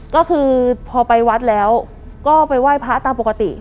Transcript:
ก็คือพอไปวัดแล้วก็ไปไหว้พระตามปกติ